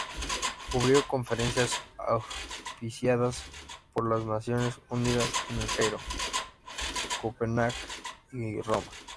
Cubrió conferencias auspiciadas por las Naciones Unidas en El Cairo, Copenhague y Roma.